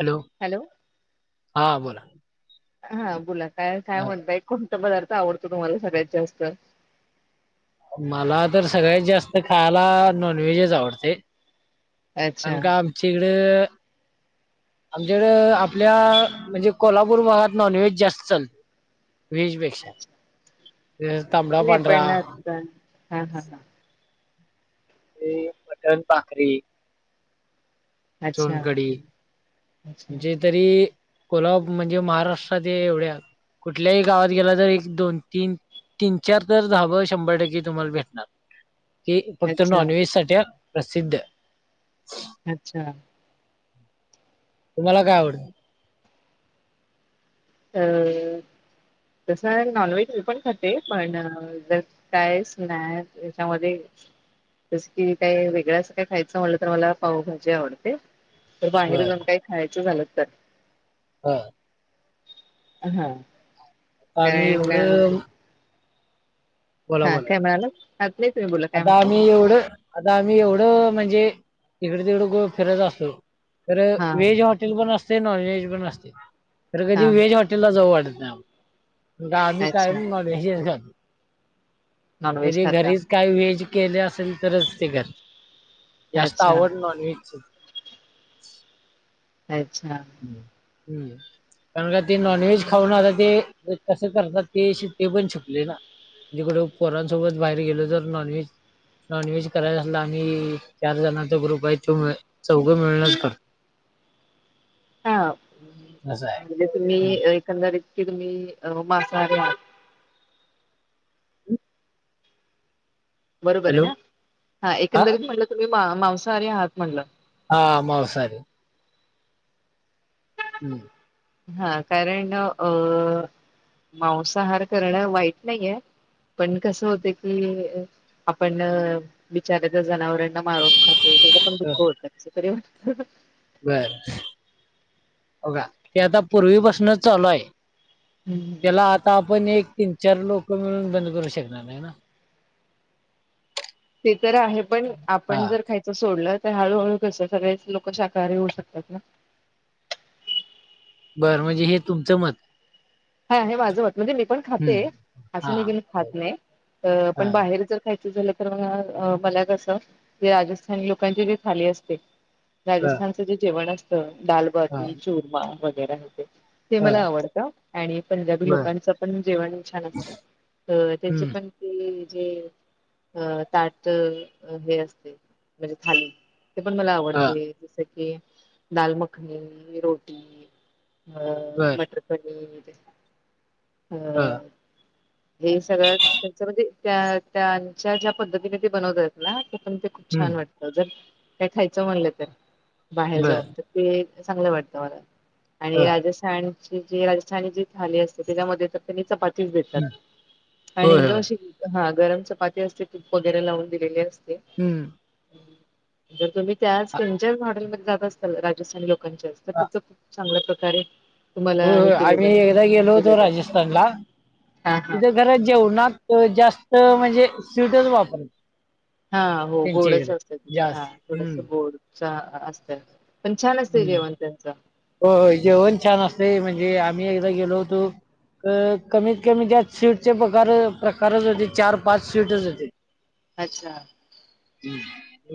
Hello. Hello. हा बोला. हा बोला काय काय अ, म्हणतय कोणता पदार्थ आवडतो तुम्हाला सगळ्यात जास्त मला तर सगळ्यात जास्त खायला नॉनव्हेजच आवडतय अच्छा कारण का आमची इकडं आमच्याकडे आपल्या म्हणजे कोल्हापूर भागात नॉनव्हेज जास्त चालते व्हेज पेक्षा अच्छा तां नाही पण ना हा, हा, ह मटन भाकरी अच्छा सोनकडी अच्छा जे तरी कोल्हाप म्हणजे महाराष्ट्रात एवढ्या कुठल्याही गावात गेला तर एक दोन, तीन, तीन, चार तर धाब शंभर टक्के तुम्हाला भेटणार हे फक्त अच्छा नॉन व्हेज साठी हा प्रसिद्ध अच्छा तुम्हाला काय आवडत? अ कस आहे नॉनव्हेज पण खाते पण ज काहीच नाही याच्यामध्ये जस की काही वेगळं असं काही खायचं म्हटलं तर मला पावभाजी आवडते. तर बाहेर बर अजून काही खायाच झालंत तर! बर! हा आम्ही काय एवढं बोला हा बोला काय म्हणालात, नाही तुम्ही बोला! काय आता म्हणता आम्ही एवढं आता आम्ही एवढं म्हणजे इकडं तिकडं फिरत असतो. तर हा व्हेज हॉटेल पण असतंय नॉनव्हेज पण असतंय तर कधी हा व्हेज हॉटे हॉटेल ला जाव वाटत नाही, आम्ही अच्छा कायम नॉनव्हेज खातो. नॉनव्हेज म्हणजे खाता घरीच काही व्हेज केल असेल तरच ते घर जास्त अच्छा आवड नॉनव्हेजच. अच्छा! हम्म! कारण का ते नॉनव्हेज खाऊन आता ते कसं करतात ते शिट्टी पण शिकलोय ना. कुठ पोरांसोबत बाहेर गेलो तर नॉनव्हेज नॉनव्हेज करायला असल आम्ही चार जणचा ग्रुप आहे तो चौघं मिळणच कर हा असं आहे म्हणजे तुम्ही हम्म. एकंदरीतकी तुम्ही मांसाहारी आहात. बरोबर आहे हॅलो ना? हा एकंदरीत म्हणलं तुम्ही मांसाहारी आहात म्हणलं! हा मांसाहारी. हम्म! हा कारण अ मांसाहार करणं वाईट नाहीये. पण कसं होतय की आपण बिचाऱ्या त्या जनावरांना मारून खातो त्याच पण अ, दुःख होतं कसंतरी होतं. बर हो ओ का ते आता पूर्वीपसनंच चालू आहे. हम्म. त्याला आता आपण एक तीन चार लोक मिळून बंद करू शकणार नाही ना. ते तर आहे पण हा आपण जर खाय च सोडलं तर हळूहळू कसं सगळेच लोक शाकाहारी होऊ शकतात ना? बरं म्हणजे हे तुमचं मत! आहे माझं मत म्हणजे मी पण खाते हम्म असं हा नाही की मी खात नाही. आ हा पण बाहेरच खायचं झालं तर मला कस राजस्थानी लोकांची जी थाली असते ह राजस्थान जेवण असतं दाल ह बाटी चूरमा वगैरा हे ते, ते ह मला आवडत. पंजाबी बर लोकांच पण जेवण छान असत त्यांचे हम्म पण की जे अ ताट हे असते म्हणजे थाली. ते पण मला ह आवडते जस की दालमखनी, रोटी बर मटर पनीर आ ह हे सगळं त्यांच म्हणजे त्या त्यांच्या ज्या पद्धतीने ते बनवतात ना ते पण ते खूप छान हम्म वाटत जर काय खायचं म्हणलं तर बाहेर जाऊन बर तर ते चांगलं वाटतं मला आणि ह राजस्थानची जी स्थानी जी थाळी असते त्याच्यामध्ये तर त्यांनी चपातीच देतात आणि होय एकदम होय अशी हा गरम चपाती असते तूप वगैरे लावून दिलेली असते. हम्म! जर तुम्ही त्याच अ, त्यांच्याच मॉडेलमध्ये जात असाल राजस्थानी लोकांच्याच. अ, तिथं खूप चांगल्या प्रकारे तुम्हाला होय हे होय केलं आम्ही जातं एकदा गेलो दिलं होतो जातं राजस्थानला! हा हा तिथं जरा जेवणात जास्त म्हणजे स्वीटच वापरातात. हा हो गोड स असत तिथं हा जास्त थोडस हम्म गोड चहा असत. हम्म. त्यांचा हो जेवण छान असते म्हणजे आम्ही एकदा गेलो होतो. अ कमीत कमी त्यात स्वीटचे प्रकार प्रकारच होते चार पाच स्वीटच होते. अच्छा!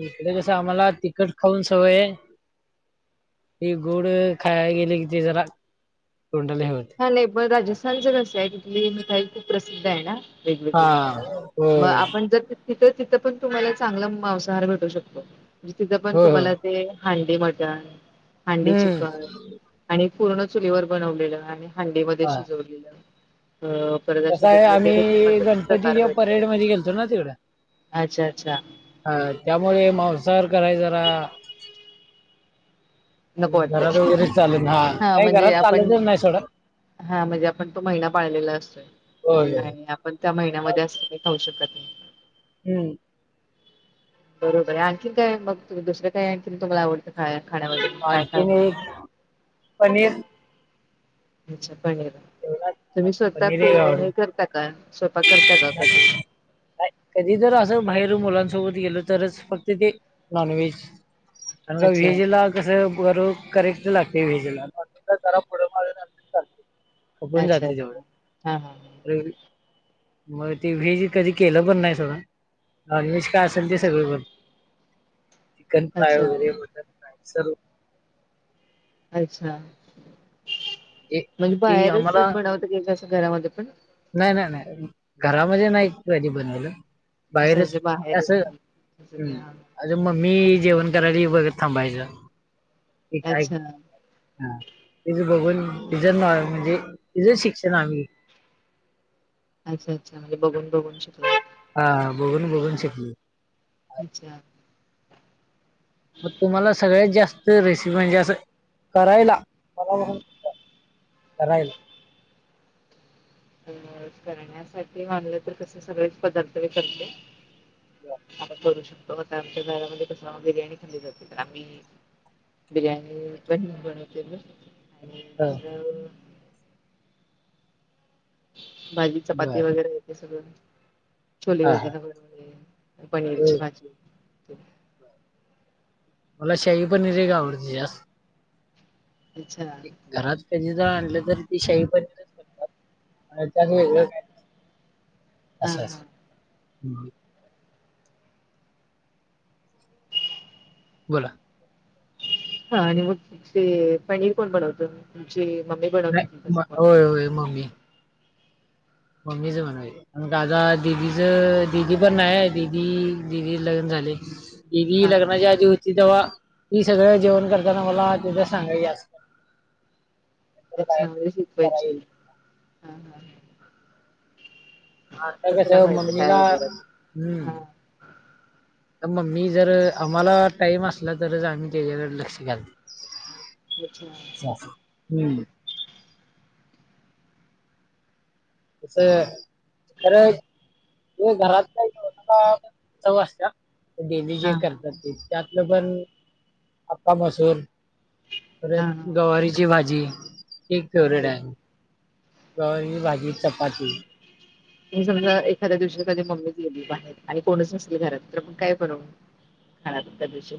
इकडे कस आम्हाला तिखट खाऊन सवय हे हे गोड खायला गेले की ते जरा तोंडाला हे होतं. नाही पण राजस्थानच कसं आहे तिथली मिठाई खूप प्रसिद्ध आहे ना. हा वेगवेगळे मग होय आपण जर तिथं तिथं पण तुम्हाला चांगला मांसाहार भेटू शकतो म्हजे तिथं पण होय होय तुम्हाला ते हांडी मटण हांडी हम्म चिकन आणि पूर्ण चुलीवर बनवलेलं आहे. भांडीमध्ये हा शिजवलेलं अ परत आस कसं आहे वेगवेगळे त्याचा आम्ही प्रकार गणपतीच्या भेटत. परेड मध्ये गेलतो ना तिकडं अच्छा अच्छा! हा त्यामुळे मांसाहार कराय जरा नको वाटते घरात वगैरे चालत हा नाही म्हणजे घरात आपण. चालतच नाही सोडा हा म्हणजे आपण तो महिना पाळलेला असतोय होय आणि पण त्या महिन्यामध्ये असं काही खाऊ शकत नाही. हम्म बरोबर आहे आणखीन काय मग दुसरं का आणखी तुमला आवडतं. हा खाण्यामध्ये काय खाव आणखीन एक पनीर. अच्छा पनीर जेवणात हा, तुम्ही स्वतः पनीर एक आवडे करता का स्वयंपाक करता का कधी कधी तर अस बाहेर मुलांसोबत गेलो तरच फक्त ते नॉन व्हेज आणि अच्छा व्हेजला कस बर करेक्ट लागते व्हेजला खपूण अच्छा जाते अच्छा हा हा हा. तेवढ मग ते व्हेज कधी केल पण नाही सोडा नॉन व्हेज काय असेल ते सगळ पण चिकन फ्राय अच्छा वगैरे मटन फ्राय सर्व अच्छा म्हणजे ती बाहेरच आम्हाला बनवंत एकदाच घरामध्ये पण नाही नाही नाही घरामध्ये नाही कधी बनवलं. असं बाहेरच जे बाहेरच असं जसं ह् की हा अजून मग मी जेवण करायला बघत थांबायचं कि काय अच्छा कर हा तिचं बघून तिचं म्हणजे तिझं शिक्षण आम्ही अच्छा अच्छा म्हणजे बघून बघून शिकले. हा बघून बघून शिकलं. अच्छा! मग तुम्हाला सगळ्यात जास्त रेसिपी म्हणजे असं. करायला मला करायला. अ करण्यासाठी मानले तर कसे सगळेच पदार्थ व करते. आपण करू शकतो आता आमच्या घरामध्ये कसं बिर्याणी खाल्ली जाते तर आम्ही. बिर्याणी पण बनवते म आणि ह दुसरं भाजी बर चपाती वगैरे येते सगळं. छोले हा हा वगैर बनवले काही पनीरची अ, भाजी मला शाही पनीर एक आवडते जास्त अच्छा म्हणजे घरात कधी ज आणल तरी ते शाही पनीरच करतात त्यात वेगळ का अस हां अस हां बोला हा आणि मग ते पनीर कोण बनवत तुमची मम्मी बनवते नाही ती तस म- पण होय होय मम्मी मम्मी च म्हणनये दादा दिदीचं दिदी पणं नाहीं दिदी दिदी लग्नं झाले दिदी हां लग्नांच्या आधी होती तेंव्हा ती सगळं जेवणं करतांना मलां तुलां सांगायचे असतं कुठं अच्छा कायं म्हणजे शिकवायची करांयली हां हां आतां कसं बनवायचं काय मम्मीलां वगैरे हम्मं ते हां मंग मम्मी जरं आम्हांला टाईम असलां तरचं आम्हीं तीच्यांकडे लक्ष घालंतो अच्छा असं असं हम्मं असं खंरहांयं तूम्ही घरांत कायं जेवतां तवां डेली जे हां करतांत ते तसं पणं अखां मसूर हा परंत हा. गवारीची भांजी एक फेवरेट आहे गवाराची भांजी चपांती मी समजां एखांद्या दिवशी कधीं मम्मीचं गेली बाहेर आणि कोणीच नसल घरांत तरं पणं कायं बनवूं खांरा कूंट्टा देशील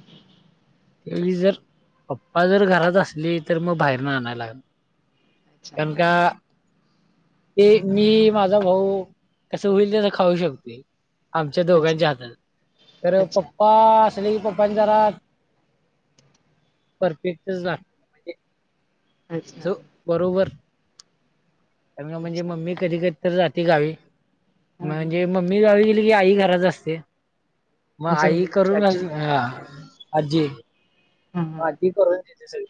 त्यांवेळी जरं पप्पां जरं घरांत असले तरं मंग बाहेरून आणायंला लागते अच्छा कारणं कां ते मी माझां भाऊं कसं होईल तेस खाऊं शकते आमच्यां अच्छा दोघांच्यां हातांत तरं अच्छा पप्पां जरी पप्पांचा रांग परफेक्टंचं रहाते अच्छा बरोबर म्हणजे अच्छा मम्मी कधीं कधीं तरं जांते गांवी हा हा म्हणजे मम्मी मी गांवी गेली की आई घरांत असतें मंग अच्छा आई म्हणजे तुमची करूंन आजी घालते की हां आज्जी हा हा हां ती करूंन देते असेलं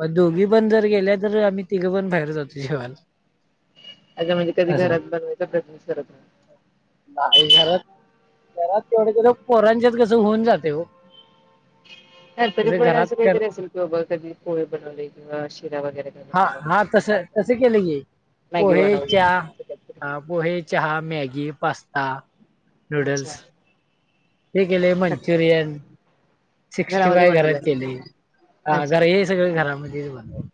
मंग दोघी पणं जरं गेल्यां तरं आम्हीं तिघं पणं बाहेर जांतो जेवांयलां अगं म्हणजे कधीं घरांत बनवांयच प्रयत्नही करतं नाहीं नाहीं घरांत घरांत तेवढं केलं पोरांच्यांचं कसं होऊंन जाते हो गणपती म्हणजे पणं घरात असं कर कांहीतरी असेलं कि बाबां कधीं पोहे बनवले किंवा शिरा वगैरें हां हां तसं तसं केलं की मॅगी पोहे बनवली चहा असं काहीतरी अं पोहे चहा मॅगी पास्तां अच्छा नूंडल्स ते केले सक- मंचुरियंन सिक्स्टी घरामध्ये फांय बनवलंय घरांत केले हां अच्छा घरं हे नाही सगळे घरांमध्ये बनवले-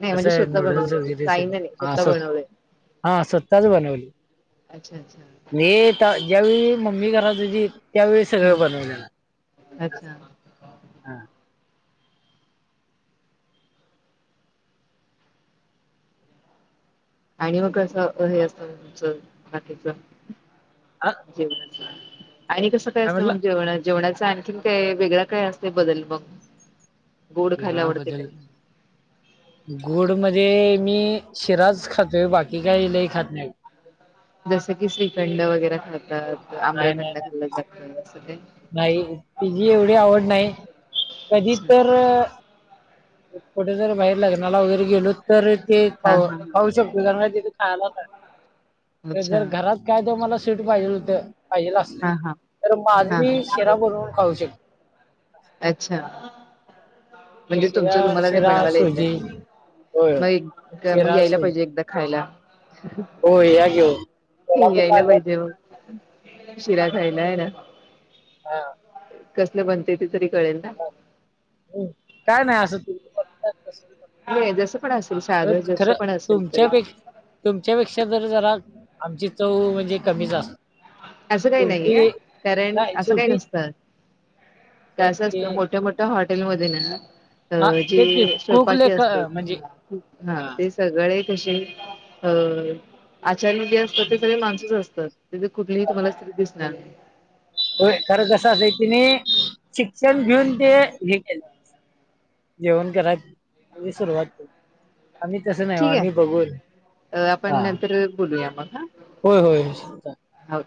नाहीं म्हणजे स्वंतः बनवले वगैरे सगळं फायनली हा स्वंतः स्व बनवले हा स्वतःच बनवली अच्छा अच्छा ज्यांवेळी मम्मी करायंचे त्यांवेळी हा सगळं बनवलं अच्छा हां आणि मंग कसं हे असतं तेच बाकीचं हा, जीवन आणि कसं कायं काय असतं म्हटलं मंग जेवणाचं जेवणाचां आणखीन कायं वेगळां कायं असतें बंदल मंग गोड खांयला वेगळा आवडते बदल त्यां गोड मध्यें मी शिरांच खातेयं बाकी कांहीं नाहीं खातं नाहीं जसं की श्रीखंड वगैरें खांतातं आम्रखंड खाल्लं जातं असं ते नाहीं तिची एवढी आवडं नाहीं कधीं तरं कुंठे जरं बाहेर लग्नांला वगैरें गेलो तरं ते खां खाऊं शकतो कारणं कां तिथे खांयला. अच्छा जरं घरांत कायं ते मलां स्वीट पाहिजे पाहिजेलं हा हा अच्छा असले हा हा तरं मंग माझं हा मी हा शिरां बनवूंन खाऊं शकते. अच्छा म्हणजे शिरा तुमचं तुम्हांला ते शिरा बनवांयलां येतंय. सुजी होय होय. मंग एक मंग शिरा यांयला पाहिजे सुजी एकदां खांयला होय या घेऊन हे कोल्हापूरला यांयला आल्यावर पाहिजे मंग शिरा खांयला आहे नां. हां कसलं बनते ते तरी कळेलं नां हो नाहीं नाहीं असं तूं हे जसं पण असेल पण साधं जस खरं पण असेल तरी तुमच्यापेक्षा तुमच्यापेक्षा ज जरा आमची चव म्हणजे कमीच अस. असं काही नाही कारण नाही असं काही शेवटी नसतं नाही असं असतं ते मोठ्या मोठ्या हॉटेल मधये ना हा तेच की जे कोक स्वयंपाकी लेख असतात. म्हणजे हा सगळे कसे अ आचारी जे असतात ते सगळे माणसंच असतात. मी तुम्हालाच तरी दिसणार नाही. हो खरं कसं असं तिने शिक्षण घेऊन ते हे केलं. जेवण कराय सुरुवात आम्ही तसं नाही आम्ही बघून अ आपण हा नंतर बोलूया मग हा होय होय हो.